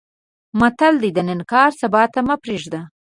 متل دی: د نن کار سبا ته مه پرېږده.